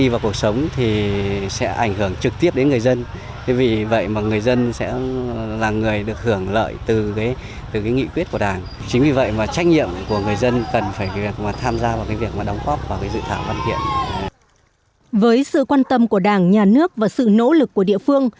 với sự quan tâm của đảng nhà nước và sự nỗ lực của địa phương